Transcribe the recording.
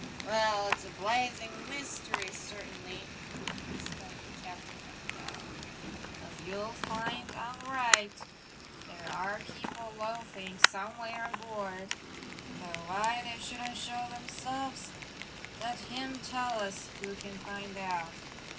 ''Well, it's a blazing mystery, certainly," exclaimed the captain of the Guide. " But you'll find I'm right — there are people loafing somewhere aboard ; though why they shouldn't show themselves let him tell us who can find out.